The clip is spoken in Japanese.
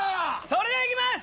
それではいきます